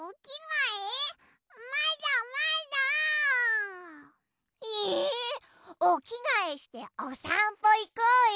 えおきがえしておさんぽいこうよ！